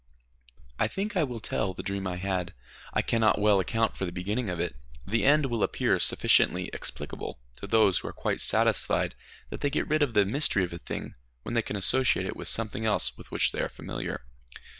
I think I will tell the dream I had. I cannot well account for the beginning of it: the end will appear sufficiently explicable to those who are quite satisfied that they get rid of the mystery of a thing when they can associate it with something else with which they are familiar.